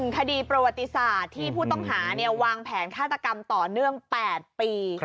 คดีประวัติศาสตร์ที่ผู้ต้องหาวางแผนฆาตกรรมต่อเนื่อง๘ปี